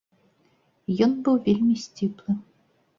Ён быў вельмі сціплы.